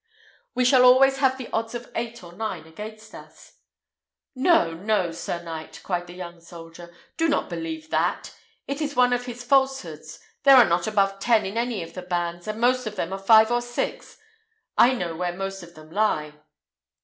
We shall always have the odds of eight or nine against us." "No, no, sir knight!" cried the young soldier; "do not believe that. It is one of his falsehoods; there are not above ten in any of the bands, and most of them are five or six. I know where most of them lie."